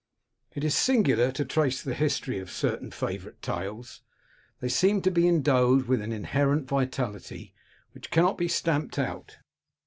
It is singular to trace the history of certain favourite tales ; they seem to be endowed with an inherent vitality, which cannot be stamped out.